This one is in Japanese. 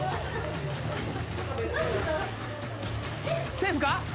セーフか！？